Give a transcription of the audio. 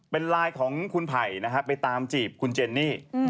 เป็นไลน์ของคุณไผ่นะฮะไปตามจีบคุณเจนนี่